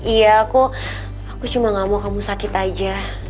iya aku cuma nggak mau kamu sakit aja